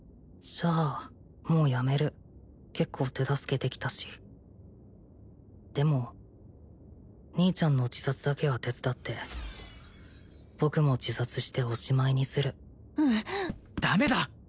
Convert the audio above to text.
じゃあもうやめる結構手助けできたしでも兄ちゃんの自殺だけは手伝って僕も自殺しておしまいにするうんダメだ！